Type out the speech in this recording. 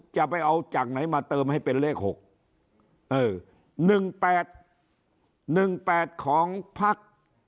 จะไปเอาจากไหนมาเติมให้เป็นเลขหกเออหนึ่งแปดหนึ่งแปดของพัก